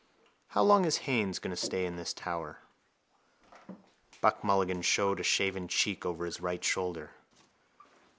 —How long is Haines going to stay in this tower? Buck Mulligan showed a shaven cheek over his right shoulder.